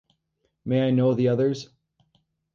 May I know the others?